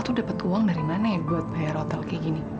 itu dapat uang dari mana ya buat bayar hotel kayak gini